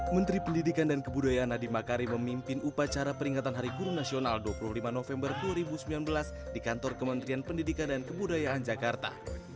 menteri pendidikan dan kebudayaan nadiem makari memimpin upacara peringatan hari guru nasional dua puluh lima november dua ribu sembilan belas di kantor kementerian pendidikan dan kebudayaan jakarta